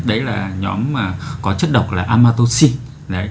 đấy là nhóm có chất độc là amatocin